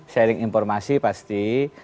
sharing informasi pasti